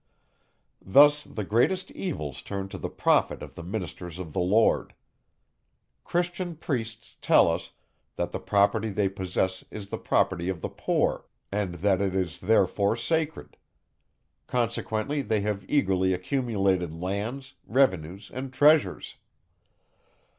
Thus the greatest evils turn to the profit of the ministers of the Lord. Christian priests tell us, that the property they possess is the property of the poor, and that it is therefore sacred. Consequently they have eagerly accumulated lands, revenues, and treasures.